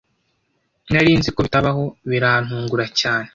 nari nzi ko bitabaho, birantungura cyane